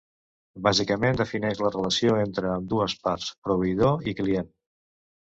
Bàsicament defineix la relació entre ambdues parts: proveïdor i client.